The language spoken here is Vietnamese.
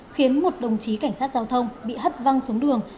khiến một đồng chí cảnh sát giao thông bị hất văng xuống đường